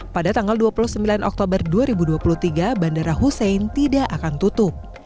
pada tanggal dua puluh sembilan oktober dua ribu dua puluh tiga bandara hussein tidak akan tutup